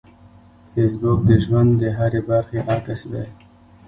فېسبوک د ژوند د هرې برخې عکس دی